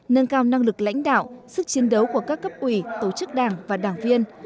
nâng cao năng lực lãnh đạo sức chiến đấu của các cấp ủy tổ chức đảng và đảng viên